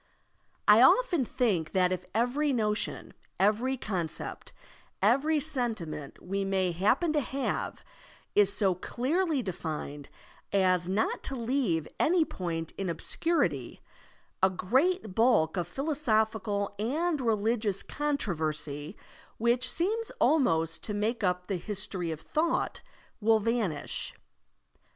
I often think that if every notion, every concept, every sentiment we may happen to have, is so clearly defined as not to leaVe any point in obscurity, a great bulk of philosophical and religious controversy, which seems almost to make up the history of thought, will vanish.